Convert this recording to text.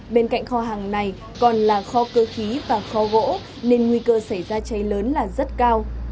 bên cạnh kho hàng này còn là kho cơ khí và kho gỗ nên nguy cơ xảy ra cháy lớn là rất cao